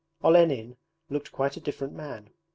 Olenin looked quite a different man.